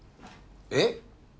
えっ？